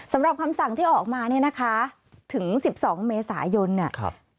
สำหรับคำสั่งที่ออกมาเนี้ยนะคะถึงสิบสองเมษายนอ่ะครับ